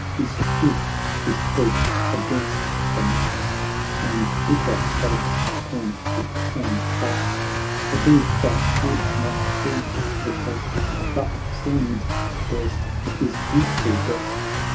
He stooped his head against the mast, And bitter sobs came thick and fast, A grief that would not be repressed, But seemed to burst his youthful breast.